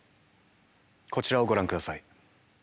こちらをご覧ください。